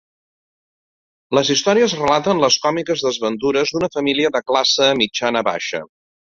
Les històries relaten les còmiques desventures d'una família de classe mitjana-baixa.